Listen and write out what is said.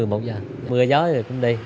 mưa gió thì cũng đi